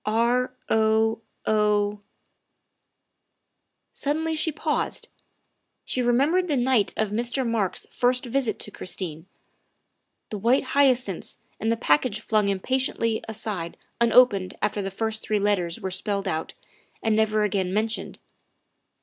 T> _>> xv o o Suddenly she paused. She remembered the night of Mr. Marks 's first visit to Christine, the white hyacinths and the package flung impatiently aside unopened after the first three letters were spelled out and never again mentioned.